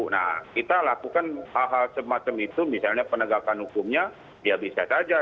nah kita lakukan hal hal semacam itu misalnya penegakan hukumnya ya bisa saja